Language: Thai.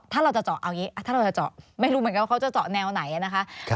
ถ้าเราจะเจาะเอาอย่างนี้ถ้าเราจะเจาะไม่รู้เหมือนกันว่าเขาจะเจาะแนวไหนนะคะ